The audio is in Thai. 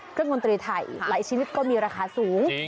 เครื่องดนตรีไทยหลายชีวิตก็มีราคาสูง